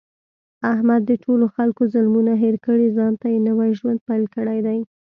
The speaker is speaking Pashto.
احمد د ټولو خلکو ظلمونه هېر کړي، ځانته یې نوی ژوند پیل کړی دی.